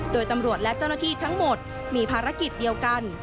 โดยตำรวจและเจ้าหน้าที่ทั้งหมดมีภารกิจเดียวกัน